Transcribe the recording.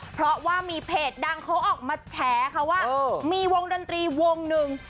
เพราะว่ามีเพจดังเขาออกมาแฉค่ะว่ามีวงดนตรีวงหนึ่ง